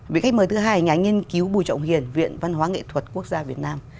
vị khách mời thứ hai nhà nghiên cứu bùi trọng hiền viện văn hóa nghệ thuật quốc gia việt nam